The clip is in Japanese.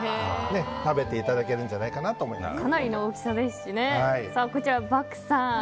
食べていただけるんじゃないかと思います。